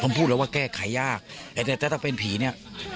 ผมพูดแล้วว่าแก้ไขยากแต่ถ้าเป็นผีเนี่ย